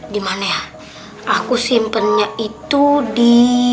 dimana aku simpennya itu di